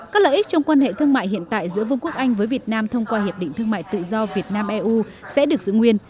các lợi ích trong quan hệ thương mại hiện tại giữa vương quốc anh với việt nam thông qua hiệp định thương mại tự do việt nam eu sẽ được giữ nguyên